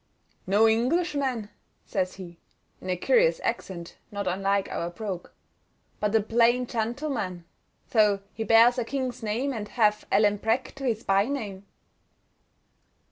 "No Englishman," says he, in a curious accent not unlike our brogue, "but a plain gentleman, though he bears a king's name and hath Alan Breck to his by name."